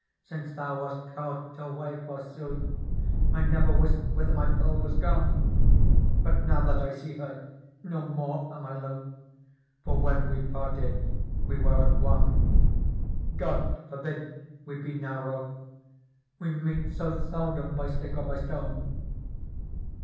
Since thou wast caught away, forsooth, I never wist whither my Pearl was gone : But now that I see her, no more am I loth. For when we parted we were at one. God forbid we be now wroth. We meet so seldom by stick or by stone